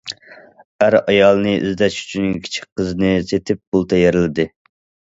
ئەر ئايالىنى ئىزدەش ئۈچۈن كىچىك قىزىنى سېتىپ پۇل تەييارلىدى.